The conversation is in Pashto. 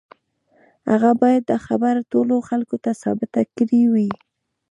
هغه بايد دا خبره ټولو خلکو ته ثابته کړې وای.